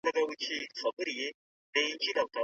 ولي بايد انتظار وباسو؟